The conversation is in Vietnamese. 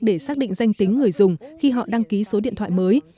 để xác định danh tính người dùng khi họ đăng ký số điện thoại mới